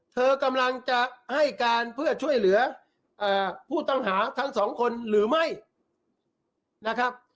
เธอกำลังจะให้การเพื่อช่วยเหลือผู้ต้องหาทั้งสองคนหรือไม่นะครับ